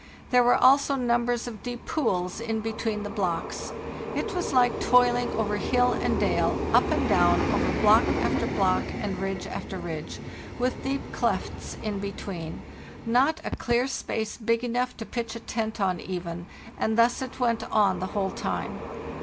There were also numbers of deep pools in between the blocks. It was like toiling over hill and dale, up and down over block after block and ridge after ridge, with deep clefts in between; not a clear space big enough to pitch a tent on eyen, and thus it went on the whole time.